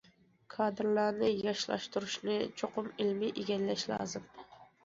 كادىرلارنى ياشلاشتۇرۇشنى چوقۇم ئىلمىي ئىگىلەش لازىم.